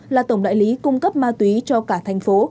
là tổng đại lý cung cấp ma túy cho cả thành phố